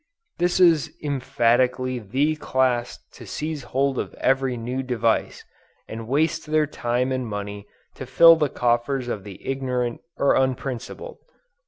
This is emphatically the class to seize hold of every new device, and waste their time and money to fill the coffers of the ignorant or unprincipled.